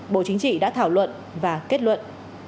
bộ chính trị đã thảo luận và kết luận